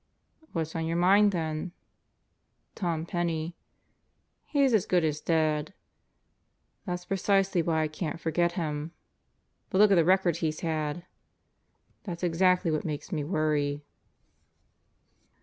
"What's on your mind, then?" "Tom Penney." "He's as good as dead." "That's precisely why I can't forget him." "But look at the record he's had!" "That's exactly what makes me worry."